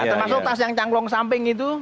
ya termasuk tas yang cangglong samping itu